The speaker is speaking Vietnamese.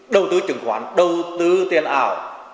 đầu tư trừng khoản đầu tư tiền ảo